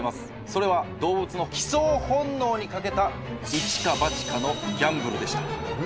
それは動物の帰巣本能に賭けたイチかバチかのギャンブルでした。